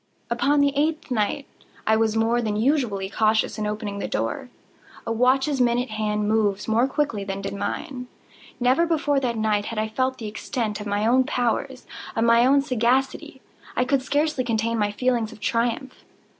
Upon the eighth night I was more than usually cautious in opening the door. A watch's minute hand moves more quickly than did mine. Never before that night had I felt the extent of my own powers—of my sagacity. I could scarcely contain my feelings of triumph.